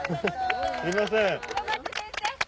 すいません。